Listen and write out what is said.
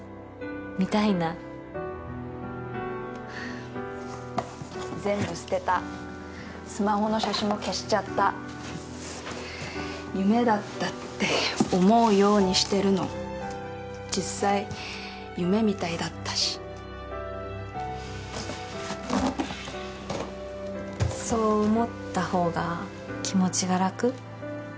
見たいな全部捨てたスマホの写真も消しちゃった夢だったって思うようにしてるの実際夢みたいだったしそう思った方が気持ちが楽？